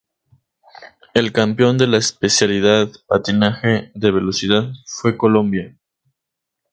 El campeón de la especialidad Patinaje de velocidad fue Colombia.